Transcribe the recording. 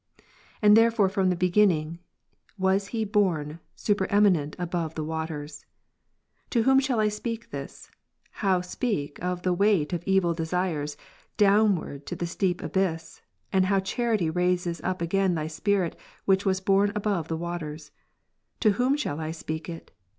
And there fore from the beginning, was He borne supereminent above the ivaters. To whom shall I speak this ? how speak of the weight of evil desires, downwards to the steep abyss; and how charity raises up again by Thy Spirit which was borne above the waters? to whom shall I speak it?